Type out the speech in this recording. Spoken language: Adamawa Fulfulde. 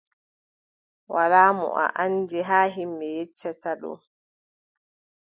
Walaa mo a anndi, haa ƴimɓe yeccata ɗo,